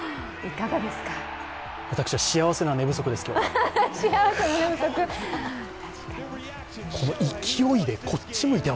私は幸せな寝不足です、今日は。